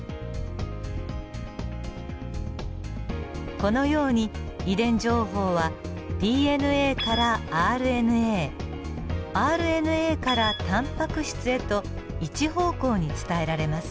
このように遺伝情報はＤＮＡからＲＮＡＲＮＡからタンパク質へと一方向に伝えられます。